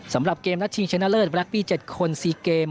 สำหรับเกมนัดชิงชนะเลิศแร็กบี้๗คน๔เกม